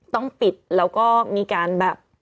ต้องปิดแล้วก็มีการแบบ